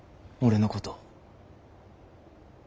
俺のこと。